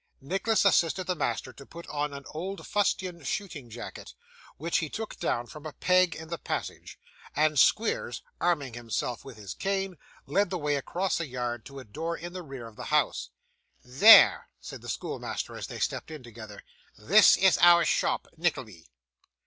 Nicholas assisted his master to put on an old fustian shooting jacket, which he took down from a peg in the passage; and Squeers, arming himself with his cane, led the way across a yard, to a door in the rear of the house. 'There,' said the schoolmaster as they stepped in together; 'this is our shop, Nickleby!